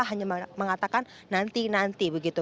hanya mengatakan nanti nanti begitu